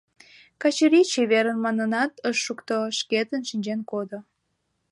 Качырий чеверын манынат ыш шукто, шкетын шинчен кодо.